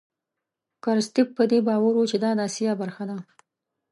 کرستیف په دې باور و چې دا د آسیا برخه ده.